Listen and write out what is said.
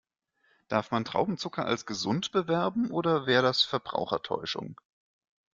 Darf man Traubenzucker als gesund bewerben, oder wäre das Verbrauchertäuschung?